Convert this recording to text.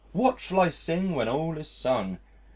"What shall I sing when all is sung?"